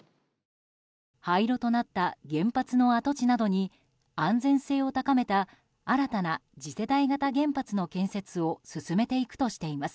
廃炉となった原発の跡地などに安全性を高めた新たな次世代型原発の建設を進めていくとしています。